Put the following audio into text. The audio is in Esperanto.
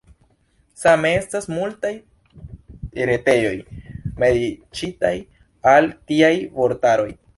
Same estas multaj retejoj dediĉitaj al tiaj vortaroj.